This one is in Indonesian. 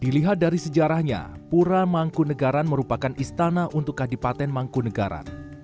dilihat dari sejarahnya pura mangkunegaran merupakan istana untuk kadipaten mangkunegara